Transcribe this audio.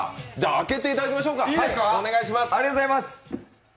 開けていただきましょうか。